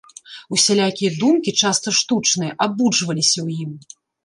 Усялякія думкі, часта штучныя, абуджваліся ў ім.